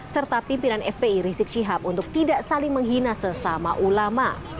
serta pimpinan fpi rizik syihab untuk tidak saling menghina sesama ulama